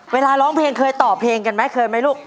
ร้องเพลงเคยต่อเพลงกันไหมเคยไหมลูก